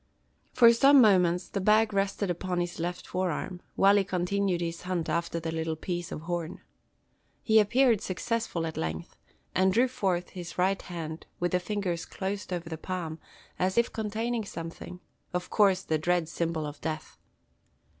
For some moments the bag rested upon his left forearm, while he continued his hunt after the little piece of horn. He appeared successful at length; and drew forth his right hand, with the fingers closed over the palm, as if containing something, of course the dread symbol of death.